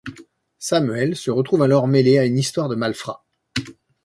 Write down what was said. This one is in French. Samuel se retrouve alors mêlé à une histoire de malfrats.